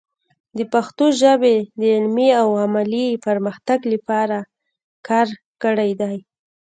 د پښتو ژبې د علمي او عملي پرمختګ لپاره کار کړی دی.